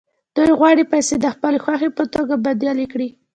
دوی غواړي پیسې د خپلې خوښې په توکو بدلې کړي